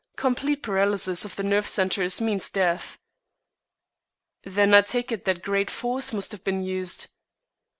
Complete paralysis of the nerve centres means death." "Then I take it that great force must have been used?"